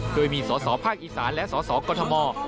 โดยมีสอสอภาคอีสานและสอสอกฎมอร์